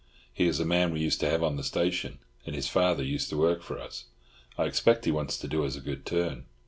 He is a man we used to have on the station, and his father used to work for us—I expect he wants to do us a good turn."